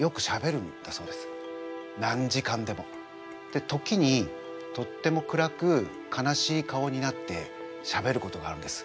で時にとっても暗く悲しい顔になってしゃべることがあるんです。